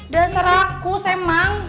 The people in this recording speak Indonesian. dasar aku semang